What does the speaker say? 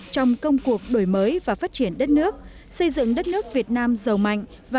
trong công cuộc đổi mới và phát triển đất nước xây dựng đất nước việt nam giàu mạnh